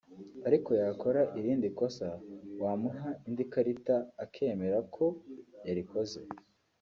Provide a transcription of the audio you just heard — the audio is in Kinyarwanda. ariko yakora irindi kosa wamuha indi karita akemera ko yarikoze